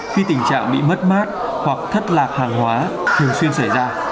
khi tình trạng bị mất mát hoặc thất lạc hàng hóa thường xuyên xảy ra